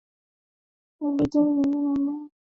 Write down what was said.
na bidhaa zingine ambazo zinatengenezwa kutoka kwa kahawa je